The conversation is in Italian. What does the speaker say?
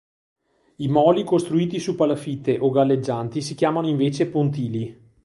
I moli costruiti su palafitte o galleggianti si chiamano invece "pontili".